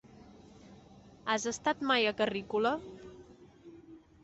Has estat mai a Carrícola?